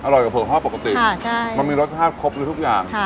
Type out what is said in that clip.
อร่อยกับเผือกทอดปกติค่ะใช่มันมีรสชาติครบทุกทุกอย่างค่ะ